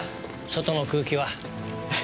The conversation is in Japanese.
外の空気は。